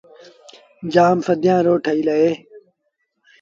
جآم سديآن رو ٺهيٚل اهي۔